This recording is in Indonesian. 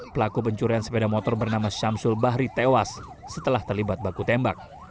pelaku pencurian sepeda motor bernama syamsul bahri tewas setelah terlibat baku tembak